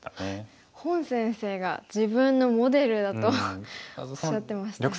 洪先生が自分のモデルだとおっしゃってましたね。